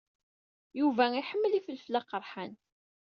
Yuba iḥemmel ifelfel aqerḥan.